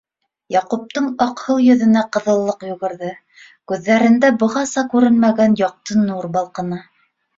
Яҡуптың аҡһыл йөҙөнә ҡыҙыллыҡ йүгерҙе, күҙҙәрендә бығаса күренмәгән яҡты нур балҡыны.